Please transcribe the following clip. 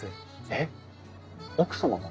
えっ奥様が？